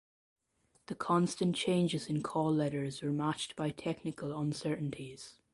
The constant changes in call letters were matched by technical uncertainties.